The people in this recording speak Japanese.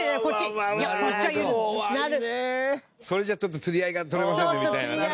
「それじゃちょっと釣り合いが取れませんね」みたいな。